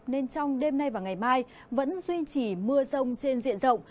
nên trong đêm nay và ngày mai vẫn duy trì mưa rông trên diện rộng